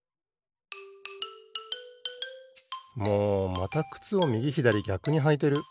もうまたくつをみぎひだりぎゃくにはいてる！